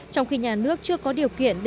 trong khi nhà nước chưa có điều kiện